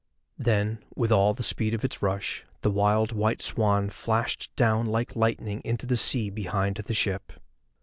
Then, with all the speed of its rush, the wild white swan flashed down like lightning into the sea behind the ship.